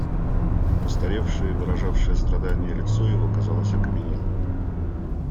Постаревшее и выражавшее страдание лицо его казалось окаменелым.